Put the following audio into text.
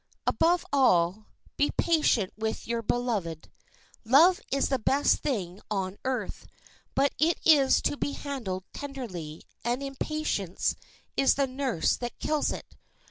Above all, be patient with your beloved. Love is the best thing on earth; but it is to be handled tenderly, and impatience is the nurse that kills it.